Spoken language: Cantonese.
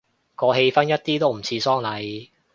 個氣氛一啲都唔似喪禮